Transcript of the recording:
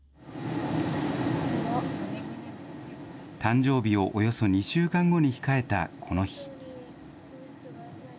誕生日をおよそ２週間後に控えたこの日。